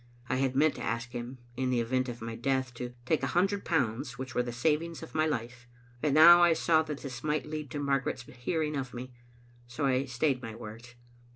I had meant to ask him, in the event of mj' death, to take a hundred pounds which were the savings of my life; but now I saw that this might lead to Margaret's hearing of me, and so I stayed my words.